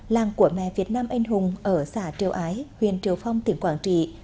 làng của mẹ việt nam anh hùng ở xã triều ái huyện triều phong tỉnh quảng trị